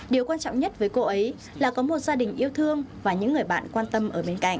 điều quan trọng nhất với cô ấy là có một gia đình yêu thương và những người bạn quan tâm ở bên cạnh